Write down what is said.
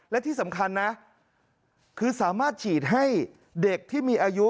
และที่สำคัญนะคือสามารถฉีดให้เด็กที่มีอายุ